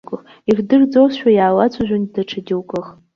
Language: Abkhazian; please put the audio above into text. Ирдырӡозшәа иалацәажәон даҽа џьоукых.